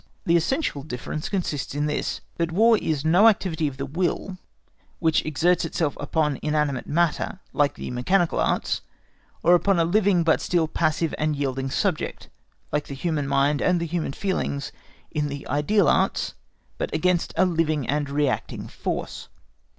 The essential difference consists in this, that War is no activity of the will, which exerts itself upon inanimate matter like the mechanical Arts; or upon a living but still passive and yielding subject, like the human mind and the human feelings in the ideal Arts, but against a living and reacting force.